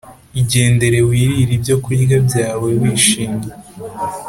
Igendere wir re ibyokurya byawe wishimye